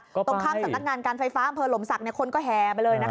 ตรงข้างสถานการณ์การไฟฟ้าอำเภอหล่มสักคนก็แฮไปเลยนะคะ